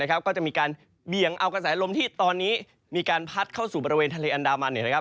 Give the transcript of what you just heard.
ก็จะมีการเบี่ยงเอากระแสลมที่ตอนนี้มีการพัดเข้าสู่บริเวณทะเลอันดามัน